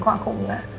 kok aku enggak